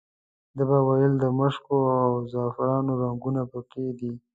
ده به ویل د مشکو او زعفرانو رنګونه په کې دي.